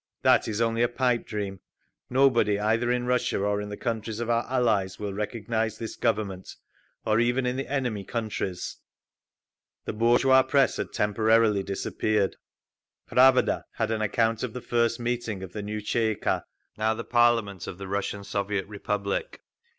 That is only a pipedream; nobody, either in Russia or in the countries of our Allies, will recognise this "Government"—or even in the enemy countries…. The bourgeois press had temporarily disappeared…._Pravada_ had an account of the first meeting of the new Tsay ee kah, now the parliament of the Russian Soviet Republic.